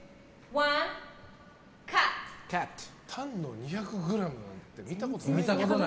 タンの２００ｇなんて見たことない。